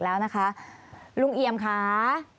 แล้วนะคะลุงเอี่ยมค่ะ